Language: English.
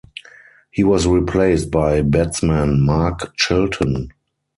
He was replaced by batsman Mark Chilton.